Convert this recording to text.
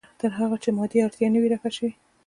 تر هغې چې مادي اړتیا نه وي رفع شوې.